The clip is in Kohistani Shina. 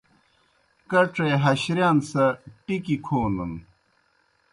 کڇے ہشرِیان سہ ٹِکیْ کھونَن۔